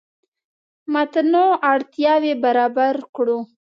متنوع اړتیاوې برابر کړو.